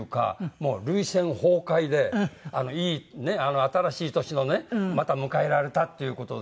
もう涙腺崩壊でいい新しい年のねまた迎えられたっていう事でね。